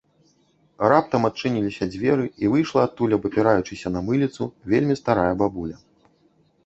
Раптам адчыніліся дзверы, і выйшла адтуль, абапіраючыся на мыліцу, вельмі старая бабуля